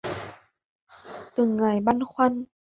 Từng ngày băn khoăn